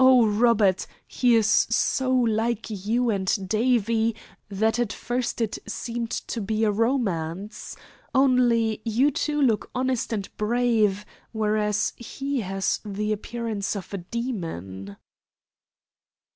Oh, Robert, he is so like you and Davie that at first it seems to be a romance! Only you two look honest and brave, whereas he has the appearance of a demon."